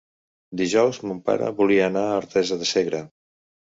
Dijous mon pare voldria anar a Artesa de Segre.